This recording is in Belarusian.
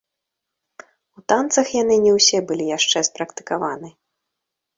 У танцах яны не ўсе былі яшчэ спрактыкаваны.